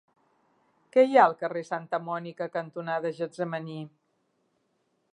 Què hi ha al carrer Santa Mònica cantonada Getsemaní?